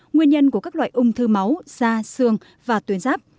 nguyên nhân của các loại ung thư máu da xương và tuyến ráp